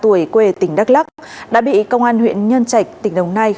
ba mươi ba tuổi quê tỉnh đắk lắk đã bị công an huyện nhân trạch tỉnh đồng nai